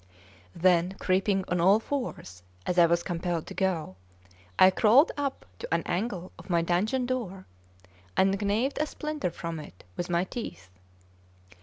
Then, creeping on all fours, as I was compelled to go, I crawled up to an angle of my dungeon door, and gnawed a splinter from it with my teeth.